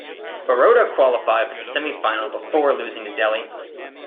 Baroda qualified for the semifinal before losing to Delhi.